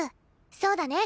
そうだね。